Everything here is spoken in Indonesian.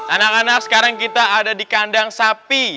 anak anak sekarang kita ada di kandang sapi